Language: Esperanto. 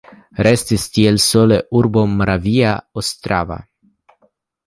Restis tiel sole urbo Moravia Ostrava.